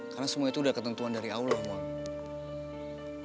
karena semua itu udah ketentuan dari allah mon